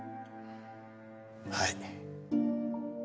はい。